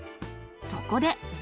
そこで。